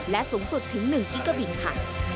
และสูงสุดถึง๑กิกาบินค่ะ